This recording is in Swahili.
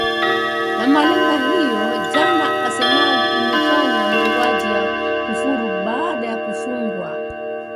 na malaga hiyo jana asernali wamefanya mauwaji ya kufuru baada ya kuwafunga lyton oren